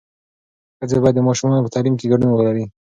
ښځې باید د ماشومانو په تعلیم کې ګډون ولري.